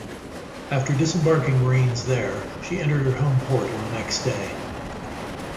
After disembarking Marines there, she entered her home port on the next day.